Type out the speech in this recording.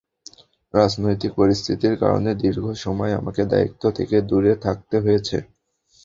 রাজনৈতিক পরিস্থিতির কারণে দীর্ঘ সময় আমাকে দায়িত্ব থেকে দূরে থাকতে হয়েছে।